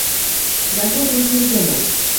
দেখো, তুমি খুবই কোমল।